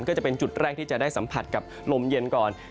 ก็จะเป็นจุดแรกที่จะได้สัมผัสกับลมเย็นก่อน